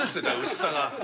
薄さが。